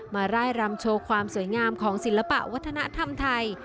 ร่ายรำโชว์ความสวยงามของศิลปะวัฒนธรรมไทย